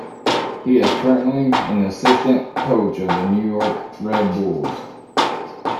He is currently an assistant coach of the New York Red Bulls.